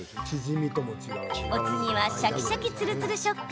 お次は、シャキシャキつるつる食感。